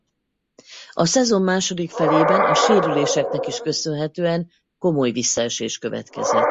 A szezon második felében a sérüléseknek is köszönhetően komoly visszaesés következett.